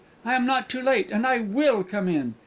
"I am not too late; and I will come in!"